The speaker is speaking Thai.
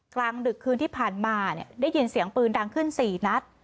กลางดึกคืนที่ผ่านมาเนี่ยได้ยินเสียงปืนดังขึ้น๔นัด